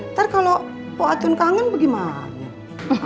ntar kalau acun kangen bagaimana